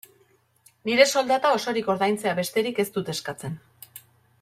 Nire soldata osorik ordaintzea besterik ez dut eskatzen.